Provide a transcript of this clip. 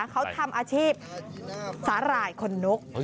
เขาทำอาชีพสาหร่ายคนนก